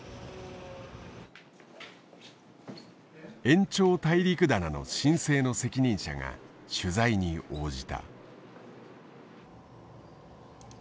延長大陸棚の申請の責任者が取材に応じた。